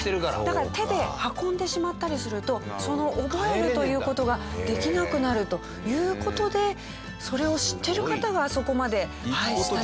だから手で運んでしまったりするとその覚えるという事ができなくなるという事でそれを知ってる方があそこまでしたようです。